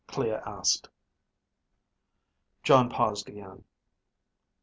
Clea asked. Jon paused again.